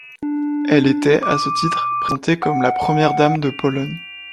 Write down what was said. Elle était, à ce titre, présentée comme la Première dame de Pologne.